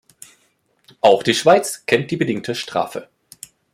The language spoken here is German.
Auch die Schweiz kennt die bedingte Strafe.